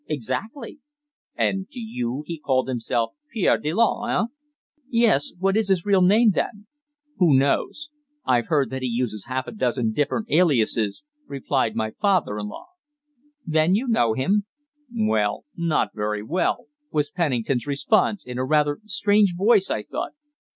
"Exactly." "And, to you, he called himself Pierre Delanne, eh?" "Yes. What is his real name, then?" "Who knows? I've heard that he uses half a dozen different aliases," replied my father in law. "Then you know him?" "Well not very well," was Pennington's response in a rather strange voice, I thought.